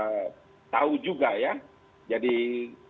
jadi kalau di undang undang dasar itu kan dijelaskan dengan rinci